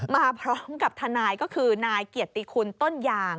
มาพร้อมกับทนายก็คือนายเกียรติคุณต้นยาง